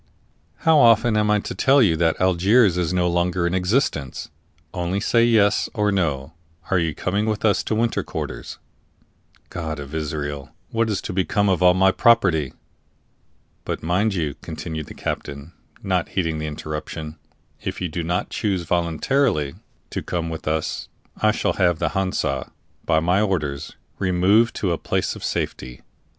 "How often am I to tell you that Algiers is no longer in existence? Only say yes or no are you coming with us into winter quarters?" "God of Israel! what is to become of all my property?" "But, mind you," continued the captain, not heeding the interruption, "if you do not choose voluntarily to come with us, I shall have the Hansa, by my orders, removed to a place of safety.